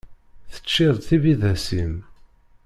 Teččiḍ tibidas-im?